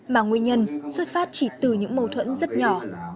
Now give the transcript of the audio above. mà nguyên nhân xuất phát chỉ từ những mâu thuẫn rất nhỏ